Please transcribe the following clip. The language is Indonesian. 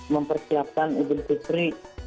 mempersiapkan idul fitri